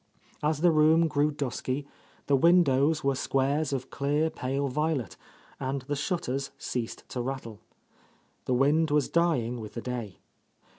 As the room grew dusky, the windows were squares of clear, pale violet, and the shutters ceased to rattle. The wind was dying with the day.